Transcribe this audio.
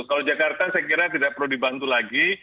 kalau jakarta saya kira tidak perlu dibantu lagi